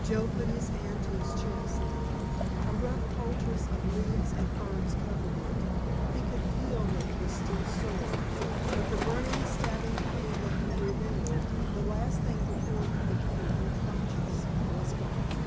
Joe put his hand to his chest. A rough poultice of leaves and herbs covered it. He could feel that it was still sore, but the burning, stabbing pain that he remembered the last thing before he became unconscious was gone.